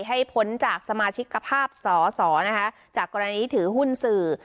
พ้นจากสมาชิกภาพสอสอนะคะจากกรณีถือหุ้นสื่อ